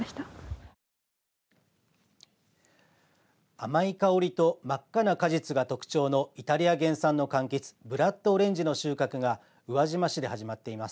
甘い香りと真っ赤な果実が特徴のイタリア原産のかんきつブラッドオレンジの収穫が宇和島市で始まっています。